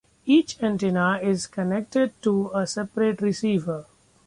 Each antenna is connected to a separate receiver.